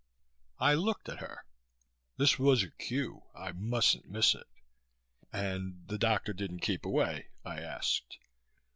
I looked at her. This was a cue. I mustn't miss it. "And the doctor didn't keep away?" I asked.